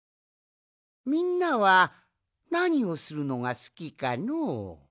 みんなはなにをするのがすきかのう？